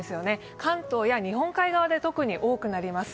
関東や日本海側で特に多くなります。